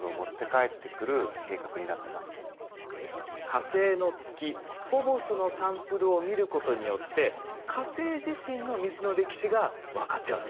火星の月フォボスのサンプルを見ることによって火星自身の水の歴史が分かっちゃうんですって。